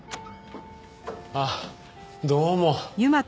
あっどうも。